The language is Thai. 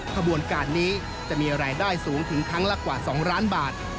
ขบวนการนี้จะมีรายได้สูงถึงครั้งละกว่า๒ล้านบาท